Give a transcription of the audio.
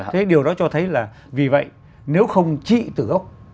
thế điều đó cho thấy là vì vậy nếu không trị tử ốc